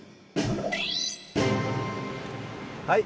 はい。